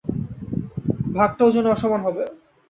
ভাগটা ওজনে অসমান হবে।